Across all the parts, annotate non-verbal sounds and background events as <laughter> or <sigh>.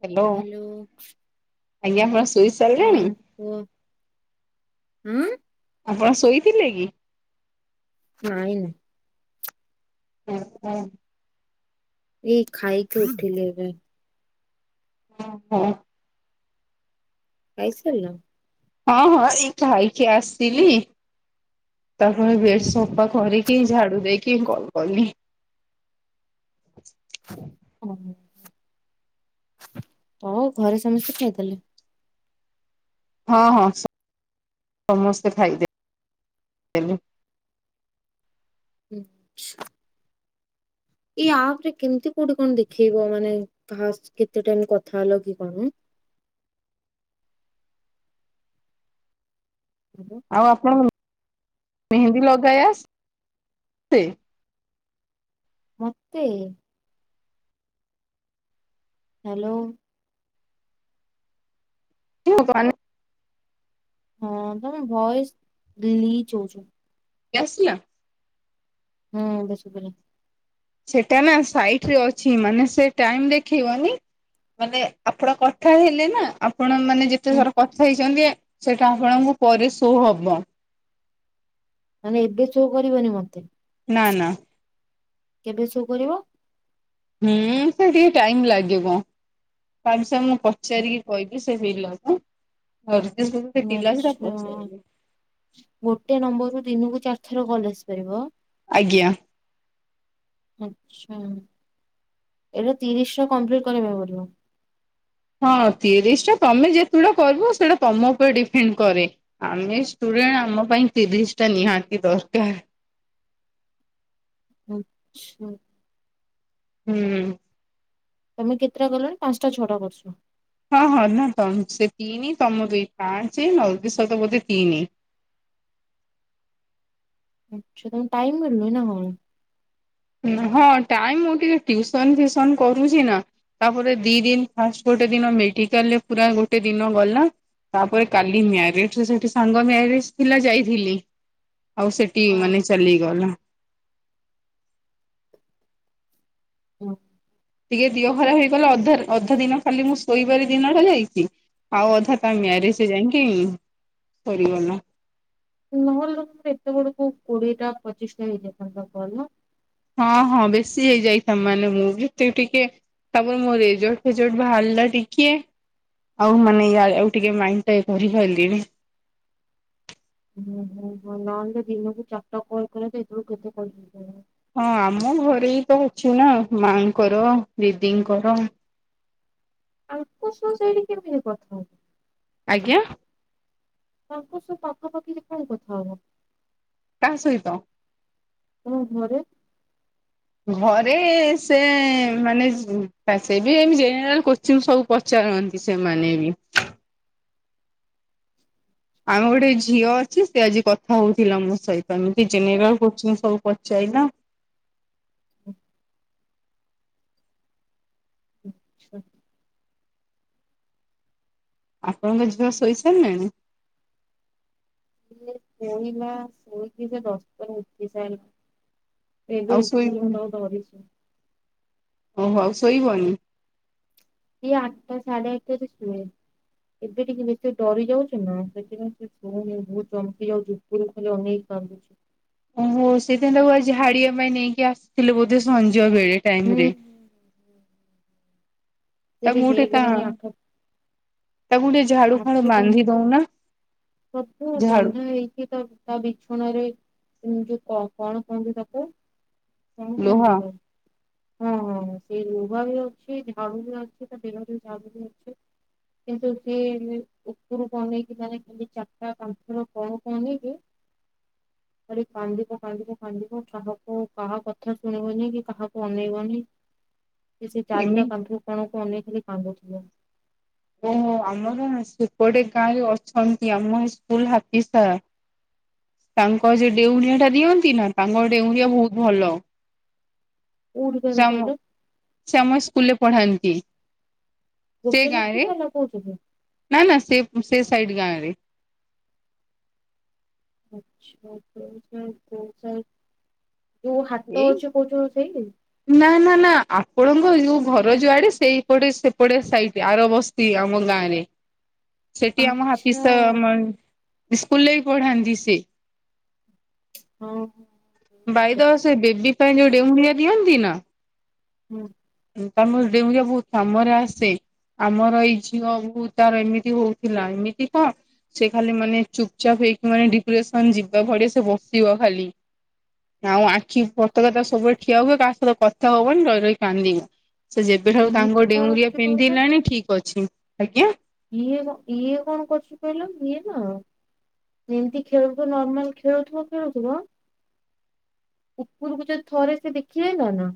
Hello ଆପଣ ଶୋଇ ଚାସାରିଲେଣି? ହୁଁ ଉଁ? ଆପଣ ଶୋଇଥିଲେ କି? ନାଇ ନାଇ। ଆଉ କଣ। ଏଇ ଖାଇକି ଉଠିଲି ଏବେ। ଓ ହ। ଖାଇସାରିଲ। ହଁ ହଁ ଏଇ ଖାଇକି ଆସିଲି। ତାପରେ ବେଡ ସଫା କରିକି ଝାଡୁ ଦେଇକି କଲ କଲିି। ଓ ହୋ ଆଉ ଘରେ ସମସ୍ତେ ଖାଇଦେଲେ? ହଁ ହଁ ସମସ୍ତେ ଖାଇଦେ ଲେ ହୁଁ। ଏଇ ଆପ ରେ କେମିତି କୋଉଠି କଣ ଦେଖେଇବ ମାନେ କାହା କେତେ ଟାଇମ କଥା ହେଲା କି କଣ? ହବ ଆଉ ଆପଣ ମେହେନ୍ଦୀ ଲଗାଇ ଆସେ? ମତେ। ହାଲୋ। ଇ ଭଗଵାନ ହଁ ତମର ଭଏସ ଗ୍ଲିଚ ହଉଚି। ଏ ଆସିଲା। ହୁଁ ଏବେ ଶୁଭିଲା। ସେଟା ନା ସାଇଟ ରେ ଅଛି ମାନେ ସେ ଟାଇମ ଦେଖେଇବନି। ମାନେ ଆପଣ କଥା ହେଲେ ନା ଆପଣ ମାନେ ହୁଁ ଯେତେଥର କଥା ହେଇଛନ୍ତି ସେଇଟା ଆପଣଙ୍କୁ ପରେ ଶୋ ହବ। ମାନେ ଏବେ ସୋ କରିବନି ମତେ। ନା ନା। କେବେ ଶୋ କରିବ? ହୁଁ ସେ ଟିକେ ଟାଇମ ଲାଗିବ ତା ବିଷୟରେ ମୁଁ ପଚାରିକି କହିବି ସେ ପିଲା ଟା ହଁ ସେ ସେଇଠୀ ଗୋଟେ ପିଲା ଅଛି ତାକୁ ଆଚ୍ଛା ପଚାରିବି। ଗୋଟେ ନମ୍ବରରୁୁ ଦିନକୁ ଚାରି ଥର କଲ ଆସିପାରିବ? ଆଜ୍ଞା। ଆଚ୍ଛା। ଏଇଟା ତିରିଶ ଟା କମ୍ପ୍ଲିଟ କରିବା ପାଇଁ ପଡିବ। ହଁ ତିରିଶ ଟା ତମେ ଯେତୁଟା କରିବ ସେଇଟା ତମ ଉପରେ ଡିପେଣ୍ଡ କରେ। ଆମେ ଷ୍ଟୁଡେଣ୍ଟ ଆମ ପାଇଁ ତିରିଶ ଟା ନିହାତି ଦରକାର। ଆଚ୍ଛା। ହୁଁ। ତମେ କେତେଟା ଗଲଣି ପାଞ୍ଚଟା ଛଅଟା କରିଛ? ହଁ ହଁ ନା ତ ସେ ତିନି ତମ ଦୁଇ ପାଞ୍ଚେ ନଲ ଦୀ ସହିତ ବୋଧେ ତିନି। ଆଚ୍ଛା ତମକୁ ଟାଇମ ମିଳୁନି ନା କଣ? ହଁ ଟାଇମ ମୁଁ ଟିକେ ଟିଉସନ ଫିଉସନ କରୁଛି ନା। ତାପରେ ଦି ଦିନ ଫାର୍ଷ୍ଟ ଗୋଟେ ଦିନ ମେଡିକାଲରେ ପୁରା ଗୋଟେ ଦିନ ଗଲା। ତାପରେ କାଲି ମ୍ୟାରେଜ ରେ ସେଠି ସାଙ୍ଗ ମ୍ୟାରେଜ ଥିଲା ଯାଇଥିଲି। ଆଉ ସେଠି ମାନେ ହଁ। ଚାଲିଗଲା। ଓ। ଟିକେ ଦିହ ଖରାପ ହେଇଗଲା ଅଧା ଅଧା ଦିନ ଖାଲି ମୁଁ ଶୋଇବାରେ ଦିନଟା ଯାଇଛି। ଆଉ ଅଧା ତା ମ୍ୟାରେଜ ଯାଇଁକି ସରିଗଲା। ନହେଲେ ତୋର ଏତେ ବେଳକୁ କୋଡିଏ ଟା ପଚିଶ ଟା ହେଇଯାଇଥାନ୍ତା କଲ ନା। ହଁ ହଁ ବେଶୀ ହେଇଯାଇଥା ତା ମାନେ ମୁଁ ବି ଟି-ଟିକେ ତାପରେ ମୋ ରେଜଲ୍ଟ ଫେଜଲ୍ଟ ବାହାରିଲା ଟିକେ। ଆଉ ମାନେ ଇଆଡେ ଆଉ ଟିକେ ମାଇଣ୍ଡ ଟା ଇଏ କରିପାରିଲିନି। ହୁଁ ହୁଁ ହଁ ନହେଲେ ଦିନକୁ ଚାରିଟା କଲ କରିବା ତ ଏତେବେଳକୁ କେତେ କଲ ହୋଇଯାଇ ହଁ ଆମ ଘରେ ତ ଅଛି ନା ମାଙ୍କର ଦିଦିଙ୍କର। ଆଙ୍କ <unintelligible> କଥା ହଉଥିଲି। ଆଜ୍ଞା। ତାଙ୍କ ସହ ପାଖାପାଖି ରେ କଣ କଥା ହଉନୁ। କାହା ସହିତ? <unintelligible> ଘରେ। ଘରେ ସେ ମାନେ ସେ ବି ଏମିତି ଜେନେରାଲ କୋ ଚୀନ୍ ସବୁ ପଚାରନ୍ତି ସେମାନେ ବି। ଆମ ଗୋଟେ ଝିଅ ଅଛି ସେ ଆଜି କଥା ହଉଥିଲା ମୋ ସହିତ ଏମିତି ଜେନେରାଲ କ୍ଵେସ୍ଚନ ସବୁ ପଚାଇଲା। ହ <unintelligible> ଆପଣଙ୍କ ଝିଅ ଶୋଇ ସାରିଲାଣି? ଶୋଇଲା ଶୋଇକି ସେ ଦଶଟାରେ ଉଠି ସାରିଲା। ଏବେ ଆଉ ଉଠିଲା ଶୋଇବନି ମୁଁ <unintelligible> ଓହୋ ଆଉ ଶୋଇବନି? ଏ ଆଠଟା ସାଢେ ଆଠଟାରେ ଶୁଏ। ଏବେ ଟିକେ ବେଶୀ ଡରି ଯାଉଛ ନା ସେଥିପାଇଁ <unintelligible> ବହୁ ଚମକି ଯାଉଛି। ରୁ ଖାଲି ଅନେଇକି କାନ୍ଦୁଛି। ଓ ହୋ ସେଦିନ ତାକୁ ଆଜି ଝାଡିବା ପାଇଁ ନେଇକି ଆସିଥିଲେ ବୋଧେ ସଞ୍ଜ ବେଳେ ଟାଇମ ରେ। ହୁଁ। ସେ ତା ବି ମୁଁ ଟେ ତା ହେଇଗଲାଣି ଆଠ <unintelligible> ଝାଡୁ ଆଠ ଫାଡୁ ବାନ୍ଧି ଦଉ ନା। ସବୁ ବନ୍ଧା ହେଇଛି ତ ତା ବିଛଣାରେ ଯୋଉ କଣ କହନ୍ତି ତାକୁ। ଲୁହ <unintelligible> ହଁ ହଁ ସେ ଲୁହା ବି ଅଛି ଝାଡୁ ବି ଅଛି ତା ଦେହରେ ଝାଡୁ ବି ଅଛି। କିନ୍ତୁ ସିଏ ଉପରୁକୁ ଅନେଇକି ମାନେ ଖାଲି ଚାରଟା ପଞ୍ଚ ଥର ତଳ କୁ ଆନେଇ କି <inaudible> ଖାଲି କାନ୍ଦିବ କାନ୍ଦିବ କାନ୍ଦିବ କାହାକୁ କାହା କଥା ଶୁଣିବନି କି କାହାକୁ ଅନେଇବନି। ଁ <inaudible> ସେ ଚାରିଟା କାନ୍ଧ କଣ କୁ ଅନେଇ ଖାଲି କାନ୍ଦୁଥିବ। ଓହୋ ଆମର ସେପଟେ ଗାଁ ରେ ଅଛନ୍ତି ଆମ ସ୍କୁଲ ହାତୀସାର। ତାଙ୍କ ଯେ ଡେଉଁରିଆ ଟା ଦିଅନ୍ତି ନା ତାଙ୍କ ଡେଉଁରିଆ ବହୁତ ଭଲ। ସେ କୋଉଠିକାର ଆମ କହିଲ ସେ ଆମ ସ୍କୁଲରେ ପଢାନ୍ତି। ସେ ଗୋପୀନା ଗାଁରେ <unintelligible> କହୁଛନ୍ତି। ନା ନା ସେ ସେ ସାଇଡ ଗାଁ ରେ। ଆଛା <unintelligible> ଯୋଉ ହାଟ ଏଇ ଅଛି କହୁଛ ସେଇ ନା ନା ନା ଆପଣଙ୍କ ଯୋଉ ଘର ଯୋଆଡେ ସେଇପଟେ ସେପଟେ ସାଇଟ ରେ ଆର ବସ୍ ତି ଆମ ଗାଁ ରେ। ସେଠି ଆମ ହାଫିସ ଆଛା ସା <unintelligible> ସ୍କୁଲରେ ବି ପଢାନ୍ତି ସେ। ଓ ହୋ। ବାଇଦ ସେ ବେବି ପାଇଁ ଯୋଉ ଡେଉଁରିଆ ଦିଅନ୍ତି ନା ହୁଁ। ତାମର ଡେଉଁରିଆ ବହୁତ କାମରେ ଆସେ। ଆମର ଏଇ ଝିଅ <unintelligible> ତାର ଏମିତି ହଉଥିଲା ଏମିତି ତ ସେ ଖାଲି ମାନେ ଚୁପ ଚାପ୍ ହେଇକି ମାନେ ଡିପ୍ରେସନ ଯିବା ଭଳିଆ ସେ ବସିବ ଖାଲି। ଆଉ ଆଖି ପତାକା ତା ସବୁବେଳେ ଠିଆ ହୁଏ କାହା ସହିତ କଥା ହବନି ରହି ରହି କାନ୍ଦିବ। ସେ ଯେବେ ଠାରୁ ଇଏ ତାଙ୍କ କଣ ଡେଉଁରିଆ ହଉଛି କହିଲ ପିନ୍ଧିଲାଣି ଠିକ ଅଛି ଆଜ୍ଞା। ଇଏ ଇଏ କଣ କରୁଛି କହିଲ ଇଏ ନା ଏମିତି ଖେଳୁଥିବ ନର୍ମାଲ ଖେଳୁଥିବ ଖେଳୁଥିବ ଉପୁରୁକୁ ଯଦି ଥରେ ସେ ଦେଖି ଦେଲା ନା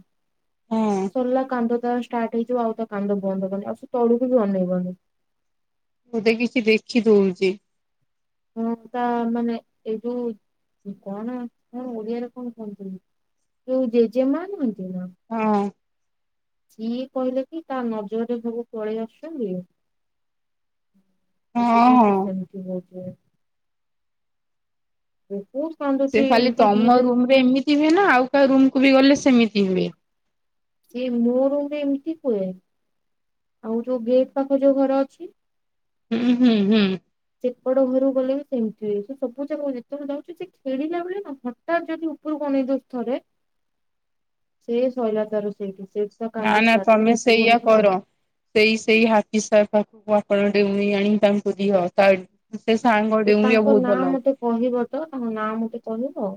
ହଁ। ସରିଲା କାନ୍ଦ ତା ଷ୍ଟାର୍ଟ ହେଇଯିବ ଆଉ ତା କାନ୍ଦ ବନ୍ଦ ହେବନି ଆଉ ସେ ତଳୁକୁ ବି ବନେଇବନି। <unintelligible> କିଛି ଦେଖି ଦଉଚି। ହଣ ତା ମାନେ ଏଇଠୁ କଣ କଣ ଓଡିଆରେ କଣ କୁହନ୍ତି? ଯୋଉ ଜେଜେମା ନୁହନ୍ତି ନା ହଁ। ସିଏ କହିଲେ କି ତା ନଜରରେ ସବୁ ପଳେଇ ଆସୁଛନ୍ତି। ହଁ ସେଥି ପାଇଁ ସେ ହଁ। ସେମିତି ହଉ ଥିବେ। ବହୁତ କମ୍ ସେ ଖାଲି ତମ ରୁମ ରେ ଏମିତି ହୁଏ ନା ଆଉ କାହା ରୁମ କୁ ବି ଗଲେ ସେମିତି ହୁଏ? ସେ ମୋ ରୁମରେ ଏମିତି ହୁଏ ଆଉ ଯୋଉ ଗେଟ୍ ପାଖରେ ଯୋଉ ଘର ଅଛି ହୁଁ ହୁଁ ହୁଁ। ସେପଟ ଘରୁ ଗଲେ ବି ସେମିତି ହୁଏ ସେ ସବୁ ଯାଗ ଯେତେବେଳେ ଯାଉଛି ଖେଳିଲା ବୋଲି ନା ଟା ଯଦି ଉପର ଗଣିତ ଥରେ ସେ ଶୋଇଲା ତ ର ସେଇଠି ସେ ନା ନା ତମେ ସେଇଆ କର। ସେଇ ସେଇ ହାତୀସାର୍ ପାଖକୁ ଆପଣ ଡେଉଁରି ଆଣି ତାଙ୍କୁ ଦିଅ ତା ସେ ସାଙ୍ଗ ଓ ଡେଉଁରିଆ ତାଙ୍କ ବହୁତ ନାଁ ଭଲ। ମତେ କହିବ ତ ତାଙ୍କ ନାଁ ମୋତେ କହିବ?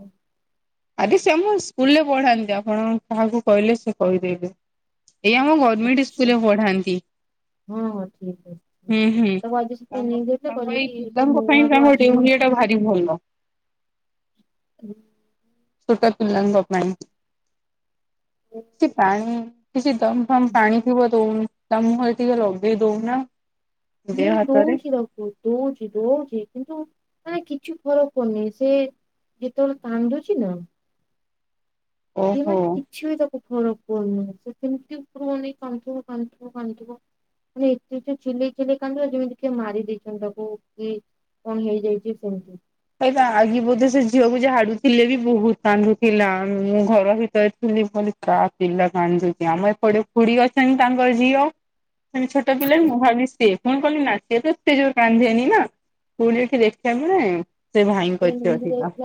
ଆରେ ସେ ଆମ ସ୍କୁଲରେ ପଢାନ୍ତି ଆପଣ କାହାକୁ କହିଲେ ସେ କହିଦେବେ ଏଇ ଆମ ମେଣ୍ଟ ଆଛା ସ୍କୁଲରେ ପଢାନ୍ତି? ହଁ ହଁ ଠିକ ଅଛି। ହୁଁ ହୁଁ ତାକୁ ଆଜି ତା ସେଥିପାଇଁ ନେଇକି ଯାଇଥିଲେ ତାଙ୍କ କହିଲେ ଏଇ କି ଏଠି ପିଲାଙ୍କ ନୂଆ ପାଇଁ ଯୋଉ ତାଙ୍କ ଡେଉଁରିଆ ଆସୁଛନ୍ତି ଟା ଭା ବି ଭଲ। ହୁଁ। ଛୋଟ ପିଲାଙ୍କ ପାଇଁ ନା କିଛି ପ୍ରାଣ କିଛି ଦମ୍ ମ ପାଣି ଥିବ ଦଉନ ତା ମୁହଁରେ ଟିକେ ଲଗେଇ ଦଉନା। ମୁଁ ଦେହ ହାତରେ ଦଉଛି ରଖୁଛି। ଦଉଛି ଦଉଛି କିନ୍ତୁ ମାନେ କିଛି ଫରକ ହଉନି ସେ ଯେତେବେଳେ କାନ୍ଦୁଛି ନା ନ କି ଓହୋ। କିଛି ବି ତାକୁ ଫରକ ପଡୁନି ସେ ସେମିତି ଉପରୁ ଅନେଇ କାନ୍ଦୁଥିବ କାନ୍ଦୁଥିବ କାନ୍ଦୁଥିବ। ମାନେ ଏତେ ଯୋରେ ଚିଲେଇ ଚିଲେଇ କାନ୍ଦିବା ଯେମିତି କିଏ ମାରି ଦେଇଛନ୍ତି ତାକୁ କି କ ହେଇଯାଇଛି ସେମତି? ଆଗେ ବୋଧେ ସେ ଝିଅକୁ ଝାଡୁଥିଲେ ବି ବହୁତ କାନ୍ଦୁଥିଲା ମୁଁ ଘର ଭିତରେ ଥିଲି ବୋ ତା ପିଲା କାନ୍ଦୁଛି ଆମର ଏ ଫୁଡି ଅଛନ୍ତି ତାଙ୍କର ଝିଅ। ସେ ମାନେ ଛୋଟ ପିଲାର ମୁଁ ଭାବି ସେ? କଣ କହିଲି ନା ସିଏ ତ ଷ୍ଟେଜ କାନ୍ଧେନି ନା କୋଉଠି ଦେଖିବାକୁ ସେ ନେଇ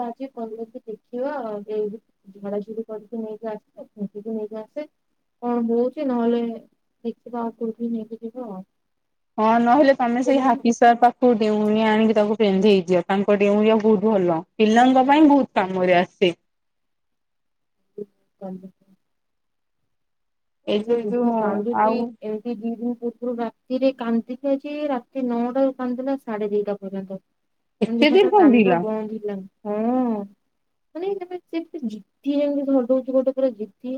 ଆଜି ଭିକ ଏଇ ଝଡ଼ାଝୁୁଡି କରିକି ନେଇକି ଆସେ ଫଙ୍କିକି ନେଇକି ଆସେ। କଣ ବହୁଛି ନହେଲେ ଦେଖିବା ଆଉ କୋଉଠି ନେଇକି ଯିବା ଆଉ? ହଁ ନହେଲେ ତମେ ସେଇ ସେମାନେ ହାକି ସର ପାଖ ତୁ ଡେଉଁରିଆ ଆଣିକି ତାକୁ ପିନ୍ଧି ହେଯିବ ତାଙ୍କ ଡେଉଁରିଆ ବହୁତ ଭଲ ପିଲାଙ୍କ ପାଇଁ ବହୁତ କାମରେ ଆସେ। <inaudible> ଏଇ ସେଥିରେ ଯୋଉ ଯୋଉ ବହୁତ କାନ୍ଦୁଛି। ଆଉ ଦି ପୂର୍ବରୁ ରାତିରେ କାନ୍ଦି ଯେ ରାତି ନଅଟା ର କାନ୍ଦିଥିଲା ସାଢେ ଦିଟା ପର୍ଯ୍ୟନ୍ତ। ଏତେ ମାନେ ଜୋର ତାର କାନ୍ଦ କାନ୍ଦିଲା ବନ୍ଦ ହେଇଲାନି ହଁ। ମାନେ ସେମତି ଜିତି ଯେମିତି ଧଉଛି ଗୋଟେ ପୁରା ଜିତି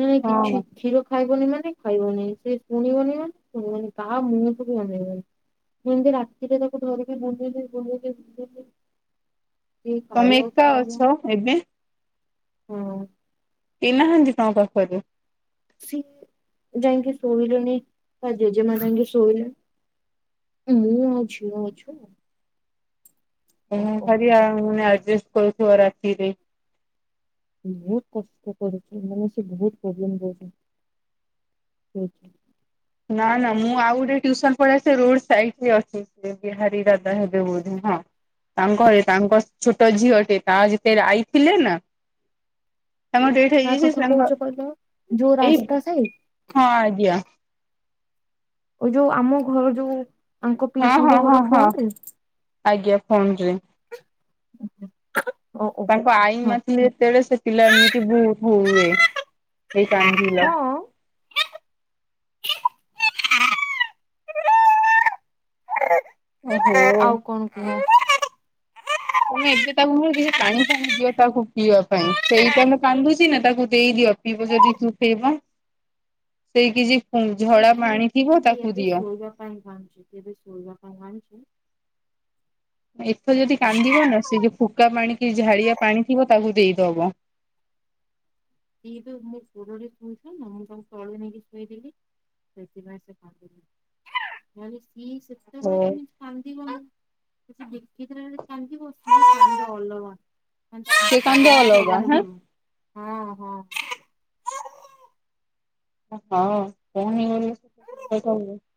ନା ହଁ କିଛି କ୍ଷୀର ଖାଇବନି ମାନେ ଖାଇବନି ସେ ଶୁଣିବନି ମାନେ ଶୁଣିବନି ତା ମୁହଁକୁ ବି ଅନେଇବନି। ଯେମିତି ରାତିରେ ତାକୁ ଧରିକି ବୁଲେଇଲି ବୁଲେଇକି ବୁ ତମେ ଏକା ଅଛ ଏବେ? ହଁ। କେଇ ନାହାଁନ୍ତି ତମ ପାଖରେ? ସିଏ ଯାଇଁକି ଶୋଇଲେଣିି ତା ଜେଜେମା ସାଙ୍ଗେ ଶୋଇଲେଣି। ମୁଁ ଆଉ ଝିଅ ଅଛୁ। ଓ କଣ ଓ କରିଆ ଆଉ ଆମେ ଆଡଜଷ୍ଟ କରୁଥିବ ରାତିରେ ବହୁତ କଷ୍ଟ କରୁଛି ମାନେ ସେ ବହୁତ ପ୍ରୋବ୍ଲେମରେ ଅଛନ୍ତି, ସେଇଥିପାଇଁ। ନା ନା ମୁଁ ଆଉ ଗୋଟେ ଟିଉସନ୍ ପଳେଇ ଆସିଛି ରୋଡ ସାଇଡରେ ଅଛି ସେ ବିହାରୀ ଦାଦା ହେବେ ବୋଧେ ହଁ। ତାଙ୍କ ଘରେ ତାଙ୍କ ଛୋଟ ଝିଅଟେ ତା ଯେତେବେଳେ ଆଈ ଥିଲେ ନା ତାଙ୍କ ଡେଟ୍ କାହା ହେଇଯାଇଛି କଥା ତାଙ୍କ କହୁଛ କହିଲ ଯୋଉ ଏଇ ରାସ୍ତା ସାଇଡ ହଁ ଆଜ୍ଞା। ଓ ଯୋଉ ଆମ ଘର ଯୋଉ ଆଙ୍କ ହଁ ହଁ ପିଇସିଙ୍କ ଘର ହଁ ହଁ ଫ୍ରଣ୍ଟ୍ ରେ? ଆଜ୍ଞା ଫୋନରେ ତାଙ୍କ ଆଇ ହଁ ନଥିଲେ ଯେତେବେଳେ ସେ ପିଲା ଏମିତି ଭୋ ଭୋ ହୁଏ ହେଇ କାନ୍ଦିଲା। ହଁ ଆଉ ଓହୋ। କଣ କୁହ? ତମେ ଏବେ ତାକୁ କିଛି ପାଣି ଫାଣି ଦିଅ ତାକୁ ପିଇବା ପାଇଁ ସେଇ ଟାଇମ୍ ରେ କାନ୍ଦୁଛି ନା ତାକୁ ଦେଇଦିଅ। ପିଇବ ଯଦି ଚୁପ୍ ହେଇବ ସେଇ କିଛି <unintelligible> ଝଡା ପାଣି ଥିବ ତାକୁ ଦିଅ। କାଇଁ କାନ୍ଦୁଚି ଏବେ ଶୋଇବା ପାଇଁ କାନ୍ଦୁଚି? ଏଥର ଯଦି କାନ୍ଦିବ ନା ସେ ଯୋଉ ଫୁକା ପାଣି କି ଝାଡ଼ିବା ପାଣି ଥିବ ତାକୁ ଦେଇଦବ। ସିଏ ତ ମୋ କୋଳରେ ଶୋଇଥିଲା ନା ମୁଁ ତାଙ୍କୁ ତଳେ ନେଇକି ଶୋଇଦେଲି। ସେଇଥିପାଇଁ ସେ କାନ୍ଦୁନି ଆଉ ନ ହେଲେ ସିଏ ସେତେବେଳେ ହଁ କେମିତି କାନ୍ଦିବନି ସିଏ ଦେଖିଦେଲାବେଳେ କାନ୍ଦିବ ସିଏ କାନ୍ଦ ଅଲଗା। ସେ କାନ୍ଦ ବନ୍ଦ ଅଲଗା ହବନି ହଁ ଜମା ହଁ ହଁ। ହଁ <unintelligible>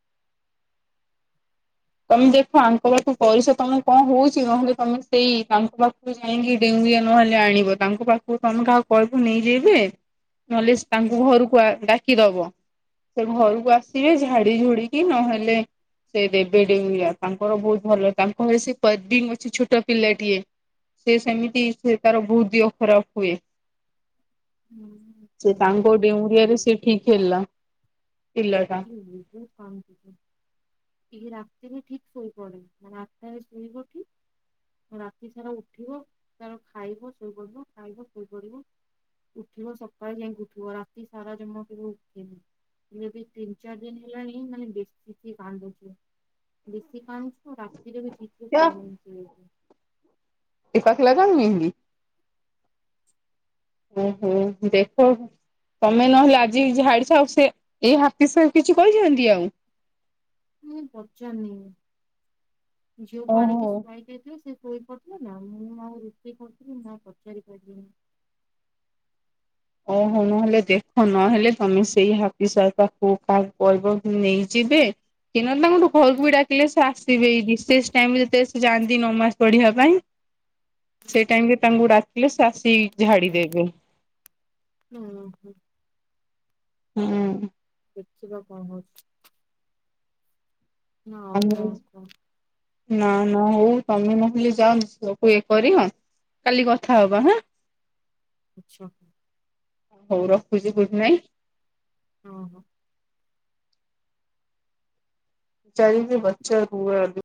ତମେ ଦେଖ ଆଙ୍କ ପାଖକୁ <unintelligible> ତମର କଣ ହଉଛି ନହେଲେ ତମେ ସେଇ ତାଙ୍କ ପାଖ ଯାଇଁକି ଡେଉଁରିଆ ନ ଆଣିଲେ ଆଣିବ ତାଙ୍କ ପାଖକୁ ତମେ କାହାକୁ କହିବୁ ନେଇଯିବେ ନହଲେ ଶ୍ ହୁଁ। ତାଙ୍କୁ ଘରକୁ ଆ ଡାକିଦବ। ସେ ଘରକୁ ଆସିବେ ଝାଡି ଝୁଡିକି ନହେଲେ ସେ ଦେବ <inaudible> ଡେଉଁରିଆ ତାଙ୍କର ବହୁତ ଭଲ ତାଙ୍କ ଘରେ ସେ ପ୍ରବୀଣ ଅଛି ଛୋଟ ପିଲାଟିଏ। ସିଏ ସେମିତି ସିଏ ତାର ବହୁତ ଦିହ ଖରାପ ହୁଏ। ସିଏ ତାଙ୍କ ଡେଉଁରିଆରେ ହୁଁ। ସେ ଠିକ ହେଲା, ପିଲାଟା। <unintelligible> ଇଏ ରାତିରେ ଠିକ ଶୋଇପଡେ ମାନେ ଆଠଟାରେ ଶୋଇବ ଠିକ ରାତି ସାରା ଉଠିବ ତାର ଖାଇବ ଶୋଇ ପଡିବ ଖାଇବ ଶୋଇ ପଡିବ। ଉଠିବ ସକାଳେ ଯାଇଁକି ଉଠିବ ରାତି ସାରା ଜମା କେବେ ଉଠେନି ହେଲେ ବି ତିନି ଚାରି ଦିନ ହେଲାଣି ମାନେ ବେଶୀ ସିଏ କାନ୍ଦୁଚି ବେଶୀ କାନ୍ଦୁଚ ହଁ ରାତିରେ ବି ଠିକ ସେ ଶୋଉନି ସିଏ ଏବେ। <unintelligible> ଓ ହ ଦେଖ ଆଗ। ତମେ ନହେଲେ ଆଜି ଝାଡିଛ ଆଉ ସେ ଏଇ ହାପି ସାର୍ କିଛି କହିିଛନ୍ତି ଆଉ? ମୁଁ ପଚାରିନି ଆଉ ଝିଅକୁ ଓହୋ ଆଣିକି ଶୁଆଇ ଦେଇଥିବେ ସିଏ ଶୋଇ ପଡ଼ିଥିଲେ ନା ମୁଁ ଆଉ ରୋଷେଇ କରୁଥିଲି ମୁଁ ଆଉ ପଚାରି ପାଇଲିନି। ଓହୋ ନହେଲେ ଦେଖୁନ ହେଲେ ତମେ ସେଇ ହାପି ସାର ପାଖକୁ କାହାକୁ କହିବ ନେଇଯିବେ କି ନ ହେଲେ ତାଙ୍କୁଠୁ ଘରକୁ ବି ଡାକିଲେ ସେ ଆସିବେ ଏଇ ରିଷେଶ ଟାଇମରେ ଯେତେବେଳେ ସେ ଯାଆନ୍ତି ନମାଜ୍ ପଢିବା ପାଇଁ। ସେଇ ଟାଇମରେ ତାଙ୍କୁ ଡାକିଲେ ସେ ଆସିକି ଝାଡି ଦେବେ। ହୁଁ ହୁଁ। ହୁଁ। ଦେଖିବା କଣ ହଉଛି। ନା ଆଉ କଣ କୁହ? ନା ନା ହଉ ତମେ ନ ହେଲେ ଯାଅ ସବୁ ଇଏ କରିଅ। କାଲି କଥା ହବା ହାଁ। ଆଛା। ହଉ ରଖୁଛି, ଗୁଡ ନାଇଁ ହଁ ହଁ <unintelligible>